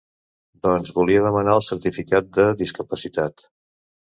Doncs volia demanar el certificat de discapacitat.